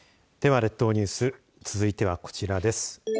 列島ニュース続いてはこちらです。